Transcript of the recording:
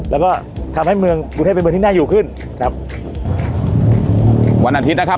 แล้วก็ทำให้เมืองกรุงเทพเป็นเมืองที่น่าอยู่ขึ้นครับวันอาทิตย์นะครับ